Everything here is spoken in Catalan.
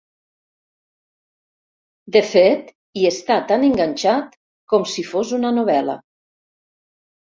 De fet, hi està tan enganxat com si fos una novel·la.